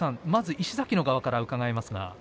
石崎の側から伺います。